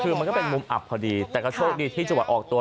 คือมันก็เป็นมุมอับพอดีแต่ก็โชคดีที่จังหวัดออกตัว